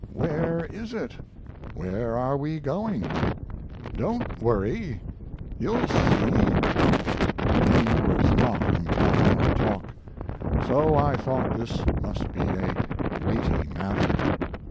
"Where is it? Where are we going?" "Don't worry. You'll see." He was not inclined to talk. So I thought this must be a weighty matter.